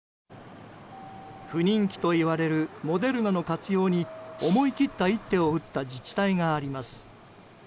不人気といわれるモデルナの活用に思い切った一手を打った自治体があります。